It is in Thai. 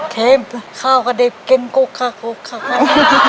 เค็มข้าวก็ดิ๊บรสชาติ